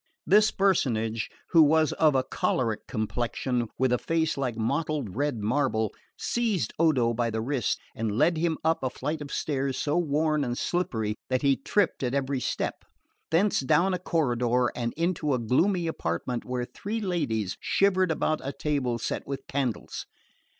This personage, who was of a choleric complexion, with a face like mottled red marble, seized Odo by the wrist and led him up a flight of stairs so worn and slippery that he tripped at every step; thence down a corridor and into a gloomy apartment where three ladies shivered about a table set with candles.